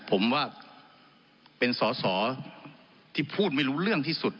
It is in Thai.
ผมว่าเป็นสอสอที่พูดไม่รู้เรื่องที่สุด